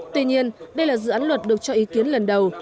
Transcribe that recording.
tuy nhiên đây là dự án luật được cho ý kiến lần đầu